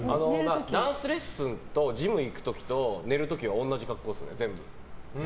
ダンスレッスンとジム行く時と寝る時は同じ格好ですね、全部。